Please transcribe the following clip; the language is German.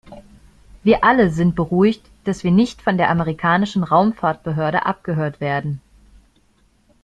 Wir alle sind beruhigt, dass wir nicht von der amerikanischen Raumfahrtbehörde abgehört werden.